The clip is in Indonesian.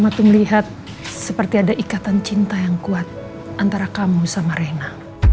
mama tuh kelihatan seperti ada ikatan cinta yang kuat antara kamu sama rena